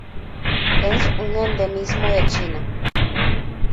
Es un endemismo de China.